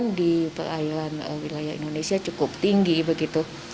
untuk pertemuan awan awan hujan di perairan wilayah indonesia cukup tinggi